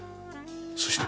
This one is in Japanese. そして。